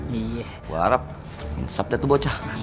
gue harap insap deh tuh bocah